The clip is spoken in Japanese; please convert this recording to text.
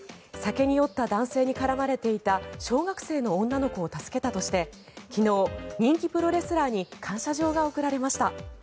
酒に酔った男性に絡まれていた小学生の女の子を助けたとして昨日、人気プロレスラーに感謝状が贈られました。